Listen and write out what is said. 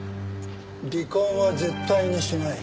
離婚は絶対にしない。